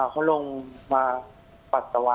เขาลงมาปัสสาวะ